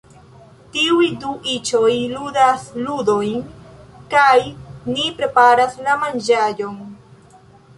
Tiuj du iĉoj ludas ludojn kaj ni preparas la manĝaĵon